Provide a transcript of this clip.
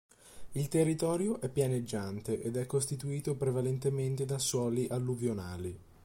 Il territorio è pianeggiante ed è costituito prevalentemente da suoli alluvionali.